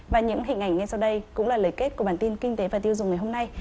và những hình ảnh ngay sau đây cũng là lời kết của bản tin kinh tế và tiêu dùng ngày hôm nay